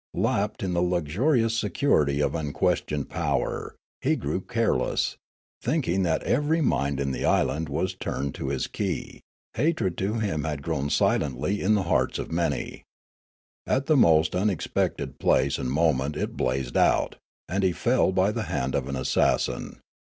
Lapped in the luxurious security of unquestioned power, he grew careless ; thinking that every mind in the island was tuned to his key, hatred to him had grown silently in the hearts of many. At the most unexpected place and moment it blazed out, and he fell by the hand of an assassin.